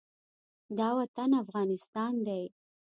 دا وطن افغانستان دى.